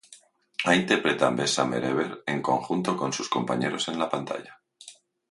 Ahí interpretan "Best summer ever" en conjunto con sus compañeros en la pantalla.